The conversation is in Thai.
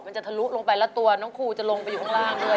จะทะลุลงไปแล้วตัวน้องครูจะลงไปอยู่ข้างล่างด้วย